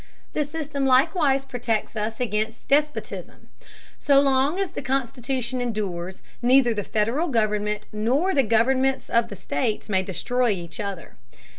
The system likewise protects us against despotism. So long as the Constitution endures, neither the Federal government nor the governments of the states may destroy each other.